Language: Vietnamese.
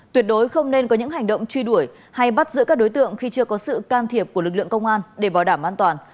tuyệt đối không nên có những hành động truy đuổi hay bắt giữ các đối tượng khi chưa có sự can thiệp của lực lượng công an để bảo đảm an toàn